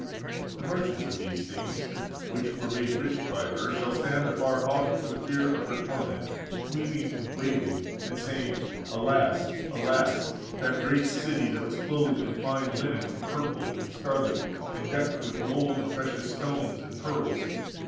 The merchants of these things, which were made rich14841484 πλουτίσαντες, for the received πλουτήσαντες. by her, shall stand afar off for the fear of her torment, weeping and wailing, and saying, Alas, alas! that great city, that was clothed in fine linen, and purple, and scarlet, and decked with gold, and precious stones, and pearls!